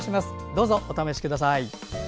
どうぞお試しください。